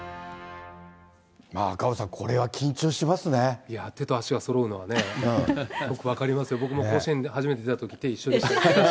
赤星さん、いや、手と足がそろうのはね、よく分かりますよ、僕も甲子園で初めて出たとき、手一緒でした。